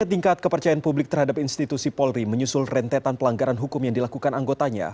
tingkat kepercayaan publik terhadap institusi polri menyusul rentetan pelanggaran hukum yang dilakukan anggotanya